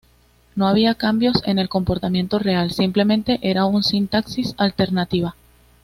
No había cambios en el comportamiento real, simplemente era una sintaxis alternativa.